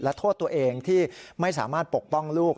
และโทษตัวเองที่ไม่สามารถปกป้องลูก